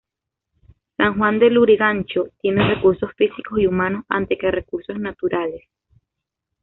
San Juan de Lurigancho tiene recursos físicos y humanos antes que recursos naturales.